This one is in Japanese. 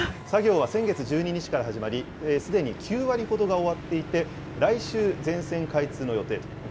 作業は先月１２日から始まり、すでに９割ほどが終わっていて、来週、全線開通の予定と。